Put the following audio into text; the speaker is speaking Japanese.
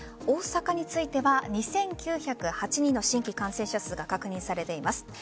大阪については２９０８人の新規感染者数が確認されています。